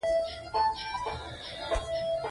په افسانواواسطوروکې شهسوار سړی دی